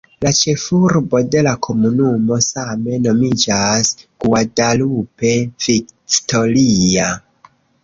La ĉefurbo de la komunumo same nomiĝas "Guadalupe Victoria".